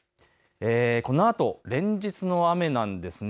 このあと連日の雨なんですね。